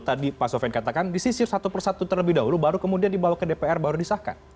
tadi pak sofian katakan disisir satu persatu terlebih dahulu baru kemudian dibawa ke dpr baru disahkan